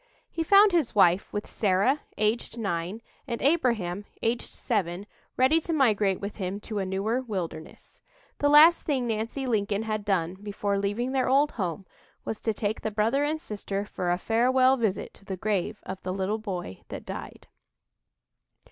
He found his wife, with Sarah, aged nine, and Abraham, aged seven, ready to migrate with him to a newer wilderness. The last thing Nancy Lincoln had done before leaving their old home was to take the brother and sister for a farewell visit to the grave of "the little boy that died."